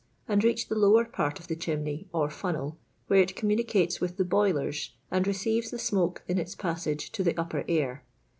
d reach the lower part of the chimney or funnel where it communicates with the boilers and re ceives the smoke iu its passage to the upper air.